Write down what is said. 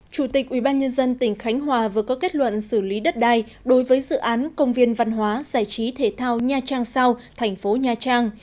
chủ tịch ubnd tỉnh khánh hòa vừa có kết luận xử lý đất đai đối với dự án công viên văn hóa giải trí thể thao nha trang sao thành phố nha trang